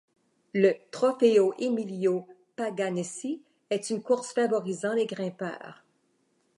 Le Trofeo Emilio Paganessi est une course favorisant les grimpeurs.